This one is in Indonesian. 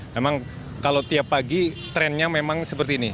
memang kalau tiap pagi trennya memang seperti ini